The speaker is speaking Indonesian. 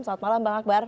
selamat malam bang akbar